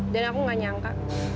dan aku gak nyangka